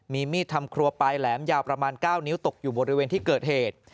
มีมีดทำครัวปลายแหลมยาวประมาณ๙นิ้วตกอยู่บริเวณที่เกิดเหตุ